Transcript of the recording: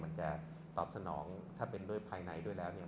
มันจะตอบสนองถ้าเป็นด้วยภายในด้วยแล้วเนี่ย